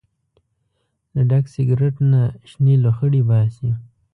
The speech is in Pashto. له ډک سګرټ نه شنې لوخړې باسي.